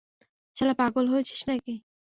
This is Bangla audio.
শালা পাগল হয়েছিস নাকি?